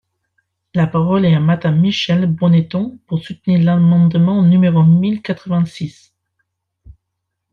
La parole est à Madame Michèle Bonneton, pour soutenir l’amendement numéro mille quatre-vingt-six.